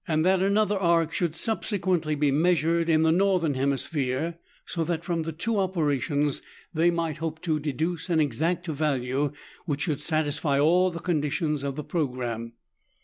37 that another arc should subsequently be measured in the Northern hemisphere, so that from the two operations they might hope to deduce an exact value which should satisfy all the conditions of the programme.